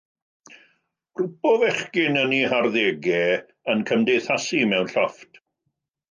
Grŵp o fechgyn yn eu harddegau yn cymdeithasu mewn llofft.